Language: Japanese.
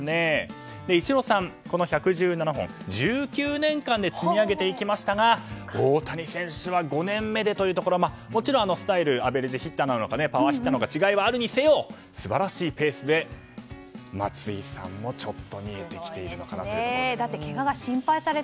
この１１７本、１９年間で積み上げていきましたが大谷選手は５年目でというところもちろんスタイルがアベレージヒッターなのかパワーヒッターなのか違いがあるにせよ素晴らしいペースで、松井さんも見えてきているのかなと。